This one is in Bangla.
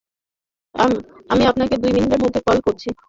আমি আপনাকে দুই মিনিটের মধ্যে কল করছি।